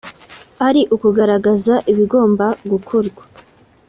ari ukugaragaza ibigomba gukorwa